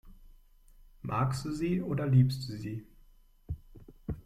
Magst du sie oder liebst du sie?